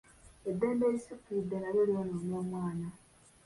Eddembe erisukkiridde nalyo lyonoona omwana.